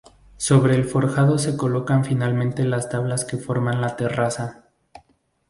Sobre el forjado se colocan finalmente las tablas que forman la terraza.